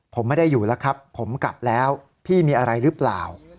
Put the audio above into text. ผมไม่ได้อยู่แล้วครับผมกลับแล้วพี่มีอะไรหรือเปล่า